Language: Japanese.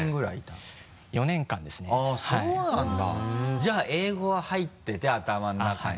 じゃあ英語は入ってて頭の中に。